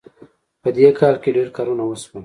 په دې کال کې ډېر کارونه وشول